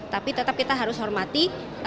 tapi tetap kita harus hormati